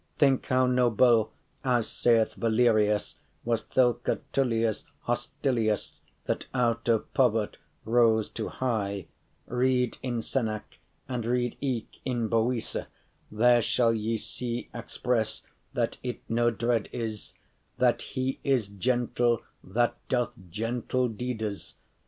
Think how noble, as saith Valerius, Was thilke* Tullius Hostilius, *that That out of povert’ rose to high Read in Senec, and read eke in Boece, There shall ye see express, that it no drede* is, *doubt That he is gentle that doth gentle deedes.